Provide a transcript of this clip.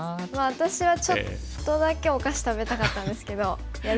私はちょっとだけお菓子食べたかったんですけどいや